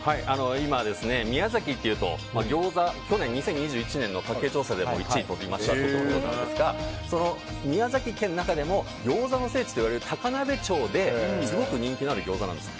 今、宮崎というと去年２０２１年の家計調査でも１位を取ったんですが宮崎県の中でもギョーザの聖地といわれる高鍋町ですごく人気のあるギョーザです。